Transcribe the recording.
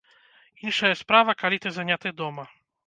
Іншая справа, калі ты заняты дома.